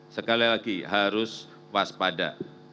sekali lagi harus waspada